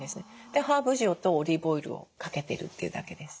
でハーブ塩とオリーブオイルをかけてるというだけです。